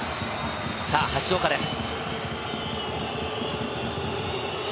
橋岡です。